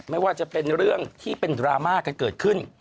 ไม่ว่าจะเป็นเรื่องที่เป็นดราม่ากันเกิดขึ้น